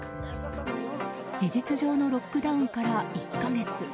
事実上のロックダウンから１か月。